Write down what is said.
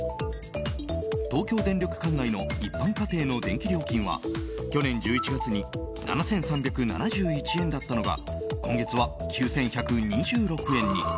東京電力管内の一般家庭の電気料金は去年１１月に７３７１円だったのが今月は９１２６円に。